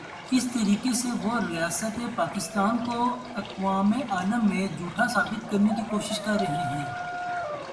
اس طریقے سے وہ ریاست پاکستان کو اقوام عالم میں جھوٹا ثابت کرنے کی کوشش کررہے ہیں۔